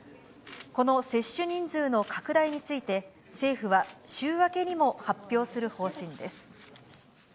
この接種人数の拡大について、政府は週明けにも発表する方針です。